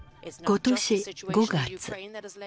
今年５月。